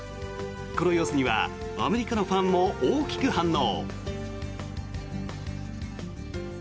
この様子にはアメリカのファンも大きく反応。